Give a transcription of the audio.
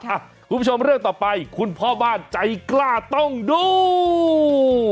คุณผู้ชมเรื่องต่อไปคุณพ่อบ้านใจกล้าต้องดู